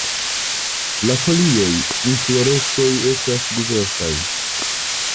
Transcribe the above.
La folioj, infloreskoj estas diversaj.